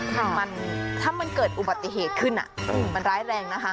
ถ้ามันเกิดอุบัติเหตุขึ้นมันร้ายแรงนะคะ